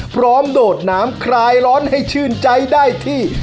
โดดน้ำคลายร้อนให้ชื่นใจได้ที่